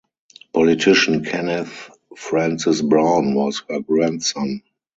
Politician Kenneth Francis Brown was her grandson.